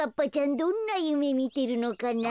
どんなゆめみてるのかな？